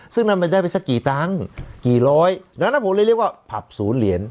ซึ่งนั่นมันได้ไปสักกี่ตังค์กี่ร้อยดังนั้นผมเลยเรียกว่าผับศูนย์เหรียญ